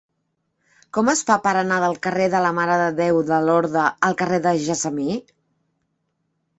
Com es fa per anar del carrer de la Mare de Déu de Lorda al carrer del Gessamí?